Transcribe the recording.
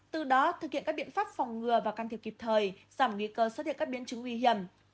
từ đó thực hiện các biện pháp phòng ngừa và can thiệp kịp thời giảm nguy cơ xuất hiện các biến chứng nguy hiểm